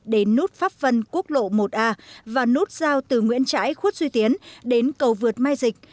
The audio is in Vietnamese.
đến nút pháp vân quốc lộ một a và nút giao từ nguyễn trãi khuất duy tiến đến cầu vượt mai dịch